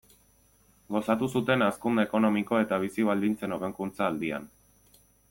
Gozatu zuten hazkunde ekonomiko eta bizi-baldintzen hobekuntza aldian.